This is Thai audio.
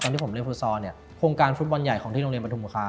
ตอนที่ผมเล่นฟุตซอลโครงการฟุตบอลใหญ่ของที่โรงเรียนประธุมภาคา